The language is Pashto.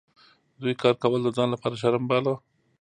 دوی کار کول د ځان لپاره شرم باله.